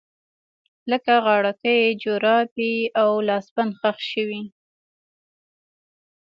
لکه غاړکۍ، جرابې او لاسبند ښخ شوي